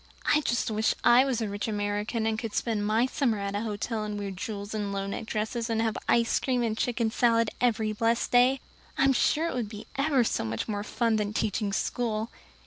"I just wish I was a rich American and could spend my summer at a hotel and wear jewels and low necked dresses and have ice cream and chicken salad every blessed day. I'm sure it would be ever so much more fun than teaching school.